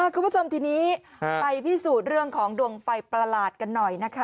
คุณผู้ชมทีนี้ไปพิสูจน์เรื่องของดวงไฟประหลาดกันหน่อยนะคะ